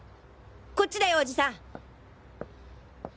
こっちだよおじさん！